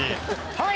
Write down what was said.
はい！